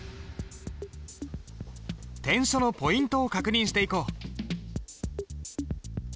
篆書のポイントを確認していこう。